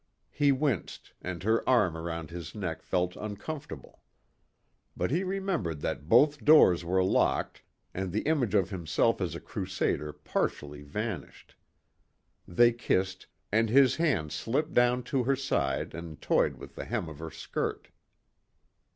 He winced and her arm around his neck felt uncomfortable. But he remembered that both doors were locked and the image of himself as a crusader partially vanished. They kissed and his hand slipped down to her side and toyed with the hem of her skirt.